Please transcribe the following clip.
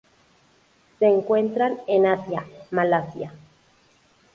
Se encuentran en Asia: Malasia.